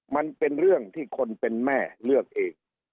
มันเป็นเรื่องที่คนเป็นแม่เลือกเอง